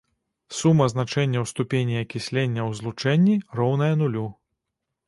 Сума значэнняў ступеней акіслення ў злучэнні роўная нулю.